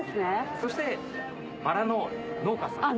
そしてバラの農家さんです。